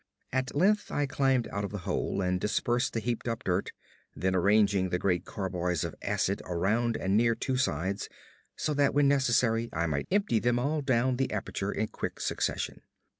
At length I climbed out of the hole and dispersed the heaped up dirt, then arranging the great carboys of acid around and near two sides, so that when necessary I might empty them all down the aperture in quick succession.